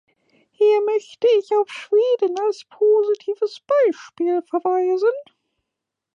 Hier möchte ich auf Schweden als positives Beispiel verweisen.